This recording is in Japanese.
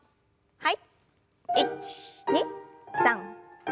はい。